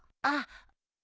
あっ。